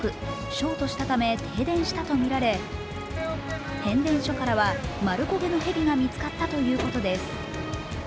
ショートしたため、停電したとみられ、変電所からはまる焦げのへびが見つかったということです。